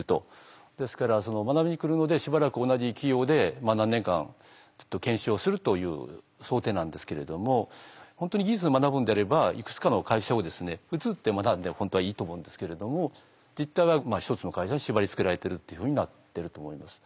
ですから学びに来るのでしばらく同じ企業でまあ何年間ずっと研修をするという想定なんですけれども本当に技術を学ぶんであればいくつかの会社を移って学んで本当はいいと思うんですけれども実態は１つの会社に縛りつけられてるっていうふうになってると思います。